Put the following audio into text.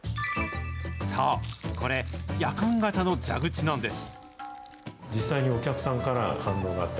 そう、これ、やかん形の蛇口なんです。